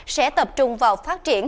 sẽ tập trung vào phát triển